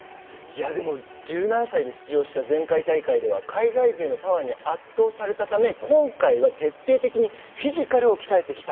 １７歳で出場した前回大会では海外勢のパワーに圧倒されたため今回は徹底的にフィジカルを鍛えてきた。